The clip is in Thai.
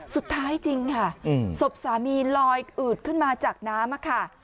จริงค่ะศพสามีลอยอืดขึ้นมาจากน้ำค่ะ